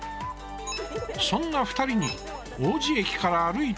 そんな２人に王子駅から歩いて